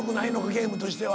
ゲームとしては。